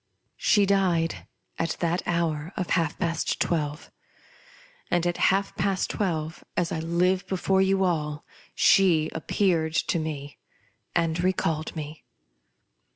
She died at that hour of half past twelve ; and at half past twelve, as I five before you all, she appeared to me and recalled me.